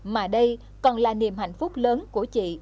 mà đây còn là niềm hạnh phúc lớn của chị